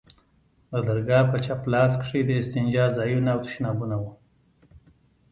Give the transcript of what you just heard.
د درگاه په چپ لاس کښې د استنجا ځايونه او تشنابونه وو.